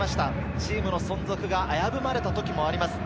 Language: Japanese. チームの存続が危ぶまれた時もあります。